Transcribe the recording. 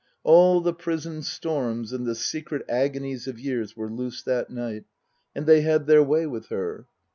All the prisoned storms and the secret agonies of years were loose that night, and they had their way with her.